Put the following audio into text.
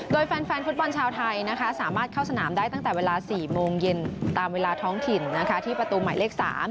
โดยแฟนฟุตบอลชาวไทยสามารถเข้าสนามได้ตั้งแต่เวลา๔โมงเย็นตามเวลาท้องถิ่นที่ประตูหมายเลข๓